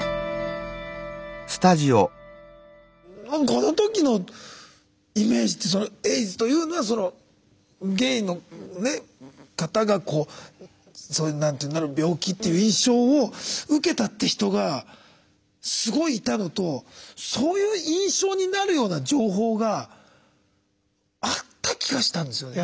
この時のイメージってエイズというのはそのゲイの方がなる病気っていう印象を受けたって人がすごいいたのとそういう印象になるような情報があった気がしたんですよね。